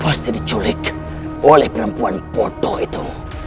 pasti diculik oleh perempuan foto itu